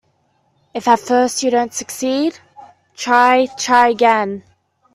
If at first you don't succeed, try, try again.